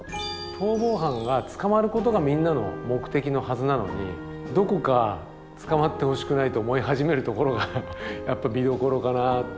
逃亡犯が捕まることがみんなの目的のはずなのにどこか捕まってほしくないと思い始めるところが見どころかな。